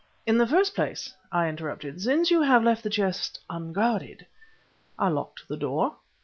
"In the first place," I interrupted, "since you have left the chest unguarded " "I locked the door."